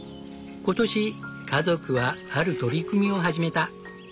今年家族はある取り組みを始めた。